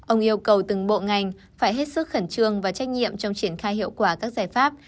ông yêu cầu từng bộ ngành phải hết sức khẩn trương và trách nhiệm trong triển khai hiệu quả các giải pháp